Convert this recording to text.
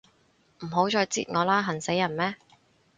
唔好再擳我啦，痕死人咩